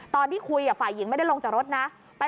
ตอนที่คุยฝ่ายหญิงไม่ได้ลงจากรถนะ